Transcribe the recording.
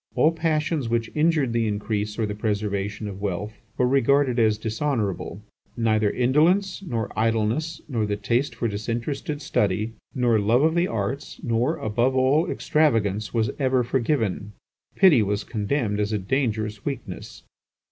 All passions which injured the increase or the preservation of wealth, were regarded as dishonourable; neither indolence, nor idleness, nor the taste for disinterested study, nor love of the arts, nor, above all, extravagance, was ever forgiven; pity was condemned as a dangerous weakness.